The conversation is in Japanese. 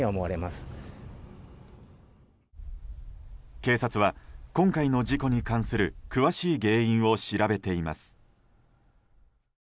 警察は、今回の事故に関する詳しい原因を調べています。